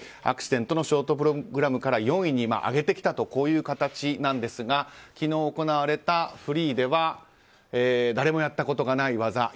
アクシデントのショートプログラムから４位に上げてきたという形ですが昨日、行われたフリーでは誰もやったことがない技